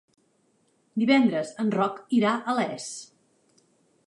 Divendres en Roc irà a Les.